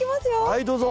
はいどうぞ。